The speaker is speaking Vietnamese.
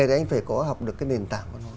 thì anh phải có học được cái nền tảng của nó